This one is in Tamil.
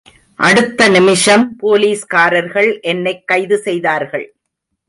அடுத்த நிமிஷம் போலீஸ்காரர்கள் என்னைக் கைது செய்தார்கள்.